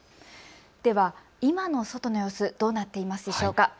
では、今の外の様子、どうなっていますでしょうか。